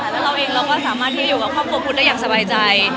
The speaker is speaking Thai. แล้วเราเองเราก็สามารถที่อยู่กับครอบครัวพุทธได้อย่างสบายใจ